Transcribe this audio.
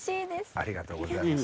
ありがとうございます。